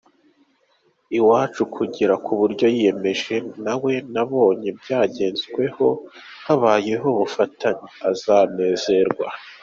E wacu kugera kubyo yiyemeje nawe nabona byagezweho habayeho ubufatanye, azanezerwa.